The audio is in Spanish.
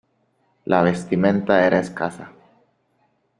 La vestimenta era escasa.